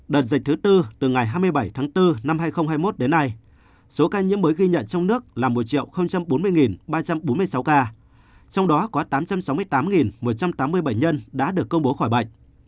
đợt dịch thứ tư từ ngày hai mươi bảy tháng bốn năm hai nghìn hai mươi một đến nay số ca nhiễm mới ghi nhận trong nước là một bốn mươi ba trăm bốn mươi sáu ca trong đó có tám trăm sáu mươi tám một trăm tám mươi bệnh nhân đã được công bố khỏi bệnh